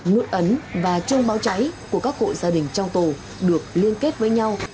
nút ấn và chuông báo cháy của các hộ gia đình trong tổ được liên kết với nhau